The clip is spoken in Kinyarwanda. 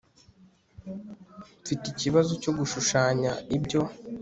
mfite ikibazo cyo gushushanya ibyo